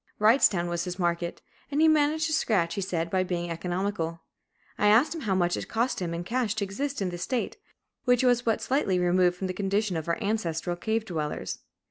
Wrightstown was his market; and he "managed to scratch," he said, by being economical. I asked him how much it cost him in cash to exist in this state, which was but slightly removed from the condition of our ancestral cave dwellers.